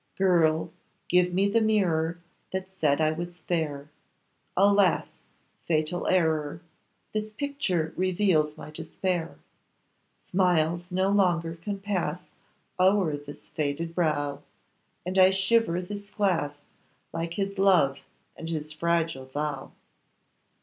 Girl! give me the mirror That said I was fair; Alas! fatal error, This picture reveals my despair. Smiles no longer can pass O'er this faded brow, And I shiver this glass, Like his love and his fragile vow!